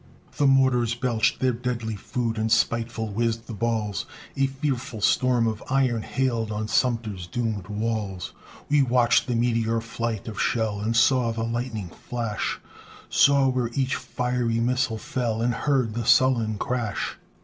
The mortars belched their deadly food And spiteful whizz'd the balls, A fearful storm of iron hailed On Sumter's doomèd walls. We watched the meteor flight of shell, And saw the lightning flash Saw where each fiery missile fell, And heard the sullen crash.